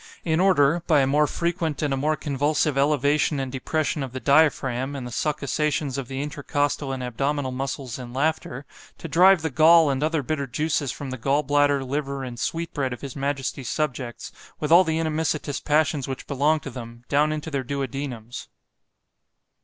in order, by a more frequent and a more convulsive elevation and depression of the diaphragm, and the succussations of the intercostal and abdominal muscles in laughter, to drive the gall and other bitter juices from the gall bladder, liver, and sweet bread of his majesty's subjects, with all the inimicitious passions which belong to them, down into their duodenums.